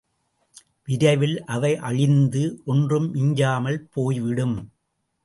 விரைவில் அவை அழிந்து, ஒன்றும் மிஞ்சாமல் போய்விடும்!